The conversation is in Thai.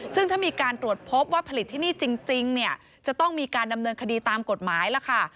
ซึ่งถ้ามีการตรวจพบว่าผลิตที่นี่จริงเนี่ยจะต้องมีการดำเนินคดีตามกฎหมายล่ะค่ะ